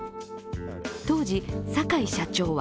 当時、坂井社長は